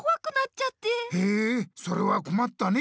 へえそれは困ったね。